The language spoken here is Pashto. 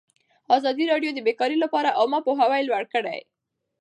ازادي راډیو د بیکاري لپاره عامه پوهاوي لوړ کړی.